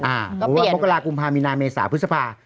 หรือว่าโปกราคกุมภาพมินาเมษาพุทธภาคม